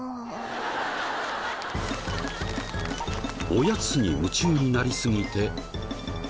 おやつに夢中になりすぎて。